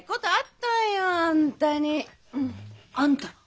あんた。